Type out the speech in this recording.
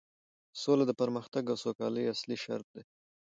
سوله د پرمختګ او سوکالۍ اصلي شرط دی